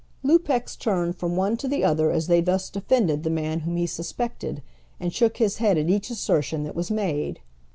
Lupex turned from one to the other as they thus defended the man whom he suspected, and shook his head at each assertion that was made.